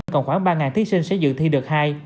còn khoảng ba thí sinh sẽ dự thi đợt hai